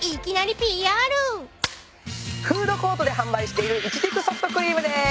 フードコートで販売しているいちじくソフトクリームです。